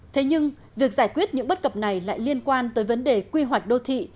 thế nhưng việc giải quyết những bất cập này lại liên quan tới vấn đề quy hoạch đô thị